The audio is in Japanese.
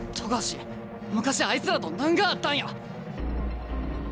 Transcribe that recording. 冨樫昔あいつらと何があったんや？